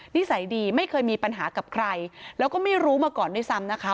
นิสัยดีไม่เคยมีปัญหากับใครแล้วก็ไม่รู้มาก่อนด้วยซ้ำนะคะ